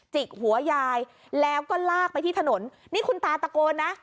จิกหัวยายแล้วก็ลากไปที่ถนนนี่คุณตาตะโกนนะ